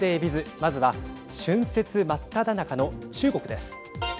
まずは春節真っただ中の中国です。